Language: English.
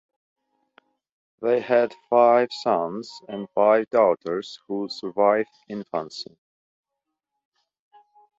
They had five sons and five daughters who survived infancy.